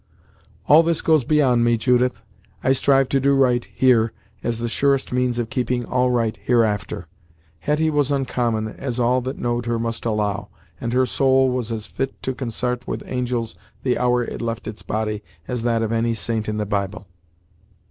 "All this goes beyond me, Judith. I strive to do right, here, as the surest means of keeping all right, hereafter. Hetty was oncommon, as all that know'd her must allow, and her soul was as fit to consart with angels the hour it left its body, as that of any saint in the Bible!"